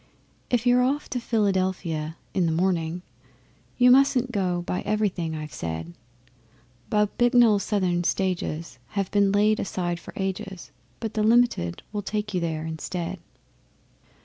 If you're off to Philadelphia in the morning, You mustn't go by everything I've said. Bob Bicknell's Southern Stages have been laid aside for ages, But the Limited will take you there instead.